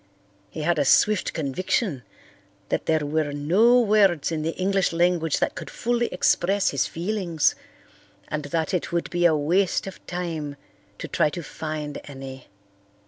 He had a swift conviction that there were no words in the English language that could fully express his feelings and that it would be a waste of time to try to find any.